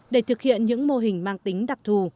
để thực hiện những mô hình mang tính đặc thù